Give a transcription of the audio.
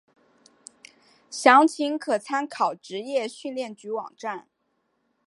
详情可参考职业训练局网站。